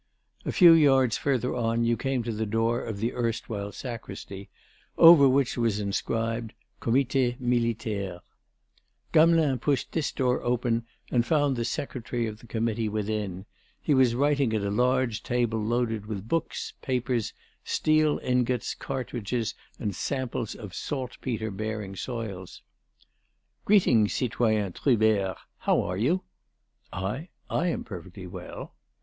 _" A few yards further on, you came to the door of the erstwhile sacristy, over which was inscribed: Comité militaire. Gamelin pushed this door open and found the Secretary of the Committee within; he was writing at a large table loaded with books, papers, steel ingots, cartridges and samples of saltpetre bearing soils. "Greeting, citoyen Trubert. How are you?" "I?... I am perfectly well."